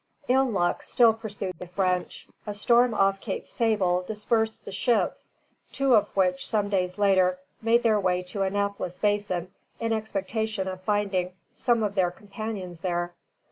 Ill luck still pursued the French. A storm off Cape Sable dispersed the ships, two of which some days later made their way to Annapolis Basin in expectation of finding some of their companions there.